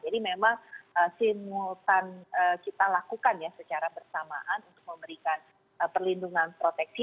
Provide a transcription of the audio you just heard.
jadi memang simultan kita lakukan secara bersamaan untuk memberikan perlindungan proteksi